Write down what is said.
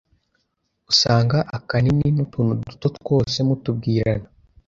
usanga akanini n’utuntu duto twose mutubwirana